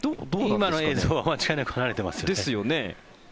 今の映像は間違いなく離れていますよね。